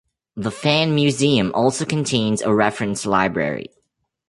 The Fan Museum also contains a reference library.